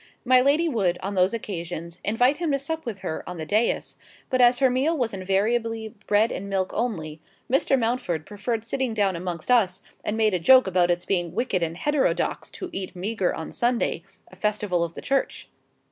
My lady would, on those occasions, invite him to sup with her on the dais; but as her meal was invariably bread and milk only, Mr. Mountford preferred sitting down amongst us, and made a joke about its being wicked and heterodox to eat meagre on Sunday, a festival of the Church.